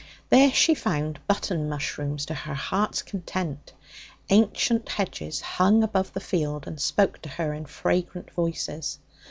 There she found button mushrooms to her heart's content. Ancient hedges hung above the field and spoke to her in fragrant voices.